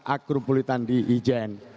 agropulitan di ijen